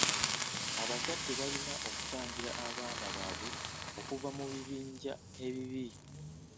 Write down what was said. Abazadde balina okutangira abaana baabwe okuva mu bibinja ebibi.